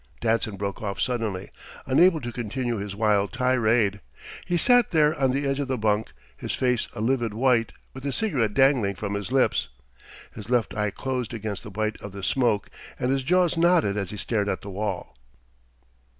Danson broke off suddenly, unable to continue his wild tirade. He sat there on the edge of the bunk, his face a livid white, with the cigarette dangling from his lips. His left eye closed against the bite of the smoke and his jaws knotted as he stared at the wall.